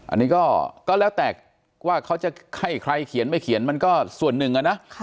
อันนี้ก็แล้วแต่ว่าเขาจะให้ใครเขียนไม่เขียนมันก็ส่วนหนึ่งอะนะ